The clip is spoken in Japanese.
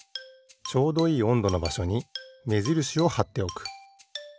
ちょうどいいおんどのばしょにめじるしをはっておく。